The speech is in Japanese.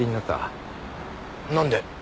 なんで？